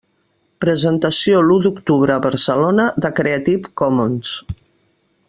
Presentació l'u d'octubre a Barcelona de Creative Commons.